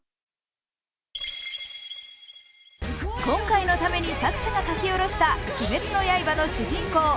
今回のために作者が描き下ろした「鬼滅の刃」の主人公